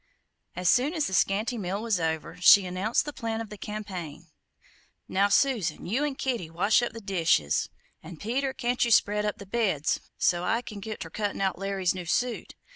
As soon as the scanty meal was over, she announced the plan of the campaign: "Now Susan, you an' Kitty wash up the dishes; an' Peter, can't you spread up the beds, so't I can git ter cuttin' out Larry's new suit?